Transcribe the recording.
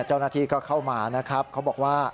เจ้าหน้าที่ก็เข้ามานะครับเขาบอกว่า